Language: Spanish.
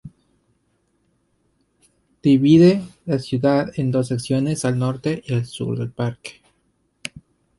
Divide la ciudad en dos secciones, al norte y al sur del parque.